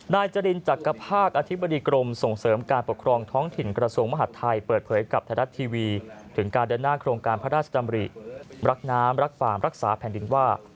นายจรินจักรภาคอธิบดีกรมส่งเสริมการปกครองท้องถิ่นกระทรวงมหาดไทยเปิดเผยกับไทยรัฐทีวีถึงการเดินหน้าโครงการพระราชดำริรักน้ำรักฟาร์มรักษาแผ่นดินว่า